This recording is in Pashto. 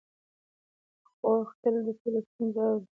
خور تل د ټولو ستونزې اوري.